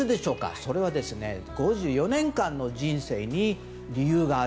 それは、５４年間の人生に理由がある。